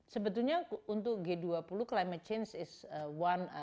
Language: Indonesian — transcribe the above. sebetulnya untuk g dua puluh climate change is one